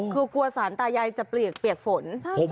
คือกลัวสารตายายจะเปียกฝน